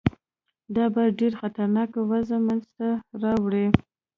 دا به ډېره خطرناکه وضع منځته راوړي.